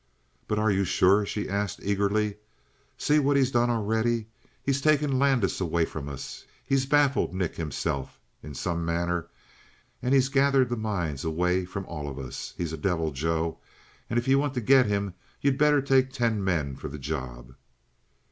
"But are you sure?" she asked eagerly. "See what he's done already. He's taken Landis away from us; he's baffled Nick himself, in some manner; and he's gathered the mines away from all of us. He's a devil, Joe, and if you want to get him you'd better take ten men for the job."